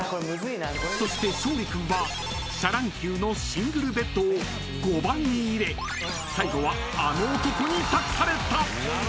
［そして勝利君はシャ乱Ｑの『シングルベッド』を５番に入れ最後はあの男に託された］